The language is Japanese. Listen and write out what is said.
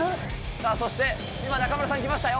さあそして、今、中丸さん行きましたよ。